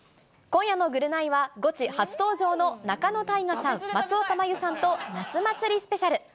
今夜のぐるナイは、ゴチ初登場の仲野太賀さん、松岡茉優さんと夏祭りスペシャル。